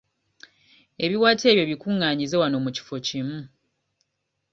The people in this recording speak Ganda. Ebiwata ebyo bikunganyize wano mu kifo kimu.